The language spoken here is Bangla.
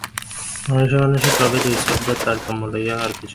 মানুষে মানুষে প্রভেদ এই শ্রদ্ধার তারতম্য লইয়া, আর কিছুতেই নহে।